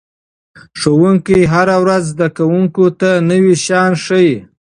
ښوونکي هره ورځ زده کوونکو ته نوي شیان ښيي.